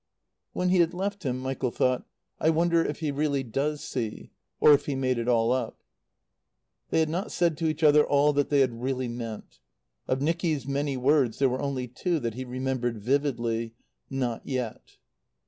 When he had left him Michael thought: "I wonder if he really does see? Or if he made it all up?" They had not said to each other all that they had really meant. Of Nicky's many words there were only two that he remembered vividly, "Not yet."